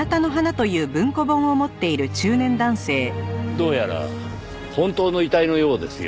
どうやら本当の遺体のようですよ。